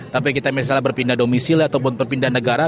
tapi kita misalnya berpindah domisili ataupun berpindah negara